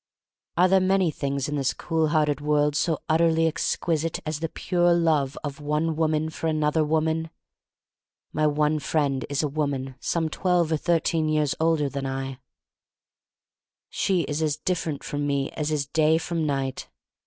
Are there many things in this cool hearted world so utterly exquisite as the pure love of one woman for an other woman? My one friend is a woman some twelve or thirteen years older than I. 38 THE STORY OF MARY MAC LANE 39 She is as different from me as is day from night.